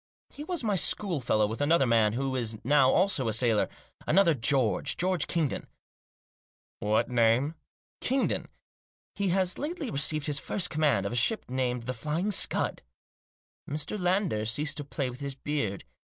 " He was my schoolfellow, with another man who is now also a sailor — another George ; George Kingdon." " What name ?"" Kingdon. He has lately received his first command ; of a ship named The Flying Scud" Mr. Lander ceased to play with his beard.